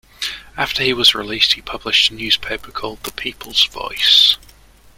After he was released he published a newspaper called "The People's Voice".